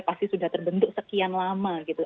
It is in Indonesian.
pasti sudah terbentuk sekian lama gitu